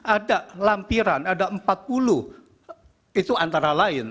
ada lampiran ada empat puluh itu antara lain